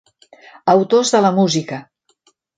Autors de la música.